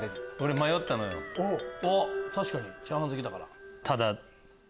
チャーハン好きだから。